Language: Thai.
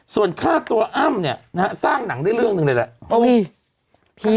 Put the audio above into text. ส่วนค่าตัวอ้ำเนี่ยนะฮะสร้างหนังได้เรื่องหนึ่งเลยแหละ